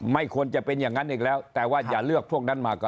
ไม่ควรจะเป็นอย่างนั้นอีกแล้วแต่ว่าอย่าเลือกพวกนั้นมาก่อน